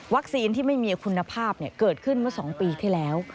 ที่ไม่มีคุณภาพเกิดขึ้นเมื่อ๒ปีที่แล้ว